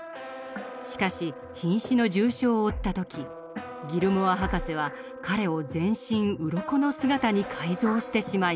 しかし瀕死の重傷を負った時ギルモア博士は彼を全身うろこの姿に改造してしまいます。